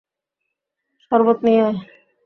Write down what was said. শরবত নিয়ে আয়!